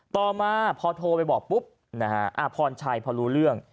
ต่อมาพอโทรไปบอกปุ๊บนะฮะพรชัยพอรู้เรื่อง